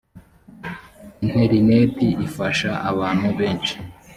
interineti ifasha abantu beshi.